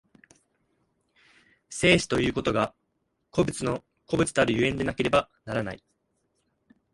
生死ということが個物の個物たる所以でなければならない。